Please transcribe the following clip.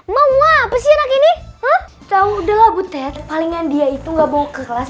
mau mau apa sih ini tuh udah labu teh palingan dia itu nggak bawa ke kelas